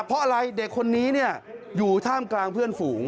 เพราะอะไรเด็กคนนี้อยู่ท่ามกลางเพื่อนฝูง